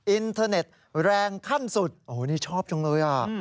อินเทอร์เน็ตแรงขั้นสุดโอ้โหนี่ชอบจังเลยอ่ะ